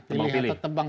pilih atau tebang